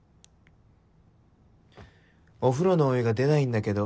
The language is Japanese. お風呂のお湯が出ないんだけど？